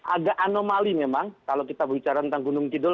agak anomali memang kalau kita bicara tentang gunung kidul